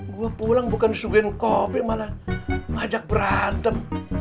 gue pulang bukan sugeng kopi malah ngajak berantem